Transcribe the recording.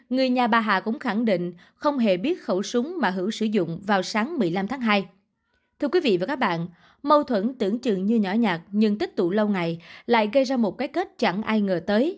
người nhà bà hạ cũng khẳng định không hề biết khẩu súng mà hữu sử dụng vào sáng một mươi năm tháng hai